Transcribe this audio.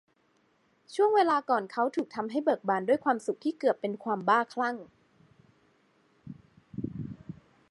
ช่วงเวลาก่อนเขาถูกทำให้เบิกบานด้วยความสุขที่เกือบเป็นความบ้าคลั่ง